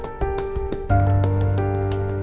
mendingan lo pergi sekarang